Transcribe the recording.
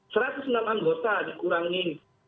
seratus enam anggota dikurangi